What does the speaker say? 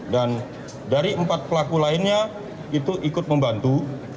dan dari empat pelaku lainnya itu ikut membantu